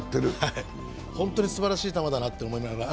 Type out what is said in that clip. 本当にすばらしい球だなと重いながら。